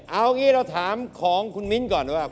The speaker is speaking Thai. เอางี้เราถามของคุณมิ้นก่อนว่า